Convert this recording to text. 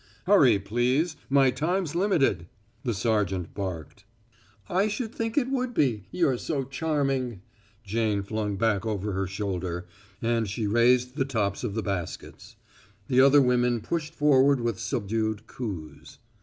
"Hurry, please, my time's limited!" the sergeant barked. "I should think it would be you're so charming," Jane flung back over her shoulder, and she raised the tops of the baskets. The other women pushed forward with subdued coos.